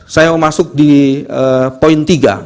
saya mau masuk di poin tiga